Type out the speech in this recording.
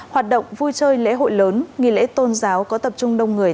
hoạt động vui chơi lễ hội lớn nghỉ lễ tôn giáo có tập trung đông người